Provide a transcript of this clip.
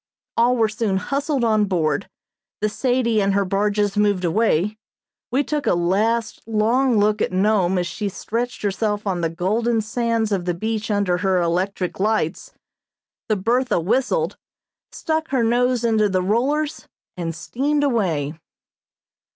All were soon hustled on board; the "Sadie" and her barges moved away; we took a last, long look at Nome as she stretched herself on the golden sands of the beach under her electric lights; the "Bertha" whistled, stuck her nose into the rollers and steamed away.